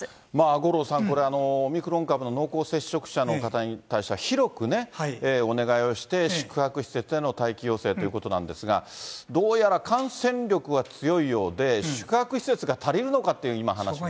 五郎さん、これオミクロン株の濃厚接触者の方に対しては、広くね、お願いをして、宿泊施設への待機要請ということなんですが、どうやら感染力は強いようで、宿泊施設が足りるのかっていう今、話が。